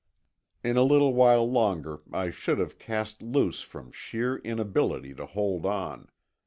In a little while longer I should have cast loose from sheer inability to hold on.